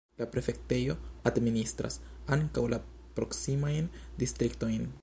La prefektejo administras ankaŭ la proksimajn distriktojn.